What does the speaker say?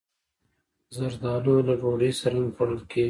زردالو له ډوډۍ سره هم خوړل کېږي.